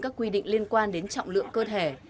các quy định liên quan đến trọng lượng cơ thể